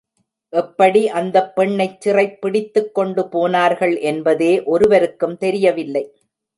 எப்படி அந்தப் பெண்ணைச் சிறைப் பிடித்துக் கொண்டு போனார்கள் என்பதே ஒருவருக்கும் தெரியவில்லை.